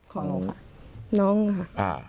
ขององค์ล่ะน้องค่ะ